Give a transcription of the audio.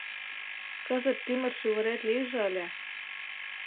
— Кызыт тӱмыр-шӱвырет лийже ыле...